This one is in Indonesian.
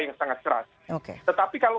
yang sangat keras tetapi kalau